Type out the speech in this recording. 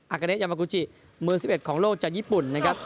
อักเกณฑ์ยามากูจิมือสิบเอ็ดของโลกจากญี่ปุ่นนะครับ